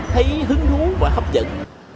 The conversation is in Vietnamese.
thấy hứng thú và hấp dẫn